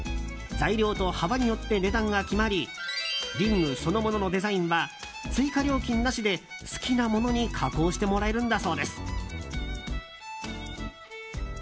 材料と幅によって値段が決まりリングそのもののデザインは追加料金なしで好きなものに加工してもらえるんだそうです。